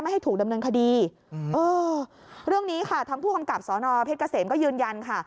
ให้ถูกดำเนินคดีเออเรื่องนี้ค่ะทั้งผู้กำกับสอนอเพชรเกษมก็ยืนยันค่ะ